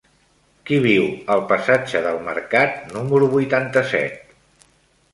Qui viu al passatge del Mercat número vuitanta-set?